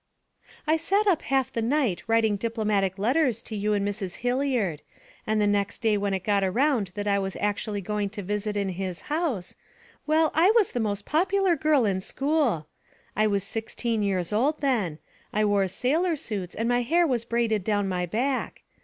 'I sat up half the night writing diplomatic letters to you and Mrs. Hilliard; and the next day when it got around that I was actually going to visit in his house well, I was the most popular girl in school. I was sixteen years old then; I wore sailor suits and my hair was braided down my back.